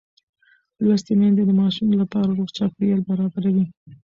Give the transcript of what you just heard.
لوستې میندې د ماشوم لپاره روغ چاپېریال برابروي.